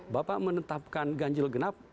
bapak menetapkan ganjil genap